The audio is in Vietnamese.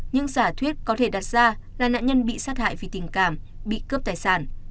những giả thuyết có thể đặt ra là nạn nhân bị sát hại vì tình cảm bị cướp tài sản